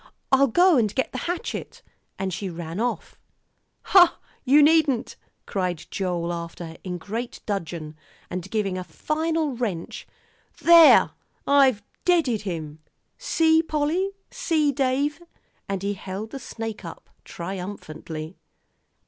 I'll go and get the hatchet " and she ran off. "Hoh! you needn't," cried Joel after her, in great dudgeon, and giving a final wrench. "There, I've deaded him; see, Polly see, Dave!" and he held the snake up triumphantly.